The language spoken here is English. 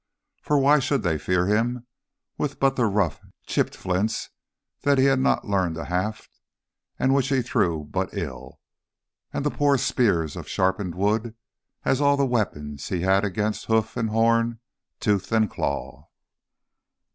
For why should they fear him, with but the rough, chipped flints that he had not learnt to haft and which he threw but ill, and the poor spear of sharpened wood, as all the weapons he had against hoof and horn, tooth and claw?